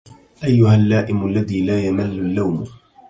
أيها اللائم الذي لا يمل اللوم